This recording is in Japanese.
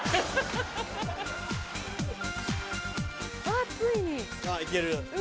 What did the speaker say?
あぁついに。行ける。